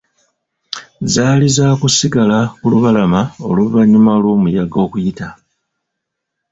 Zaali zaakusigala ku lubalama oluvannyuma lw'omuyaga okuyita.